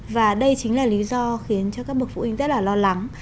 và đây chính là lý do khiến cho các bậc phụ huynh rất là lo lắng